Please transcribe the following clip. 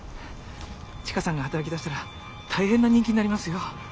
千佳さんが働きだしたら大変な人気になりますよ。